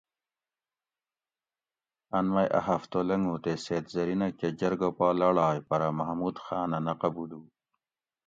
ان مئی ا ہفتہ لنگو تے سید زرینہ کہ جرگہ پا لاڑائے پرہ محمود خانہ نہ قبولو